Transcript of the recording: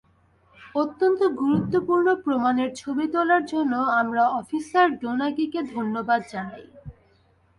অত্যন্ত গুরুত্বপূর্ণ প্রমাণের ছবি তোলার জন্য আমরা অফিসার ডোনাগিকে ধন্যবাদ জানাই।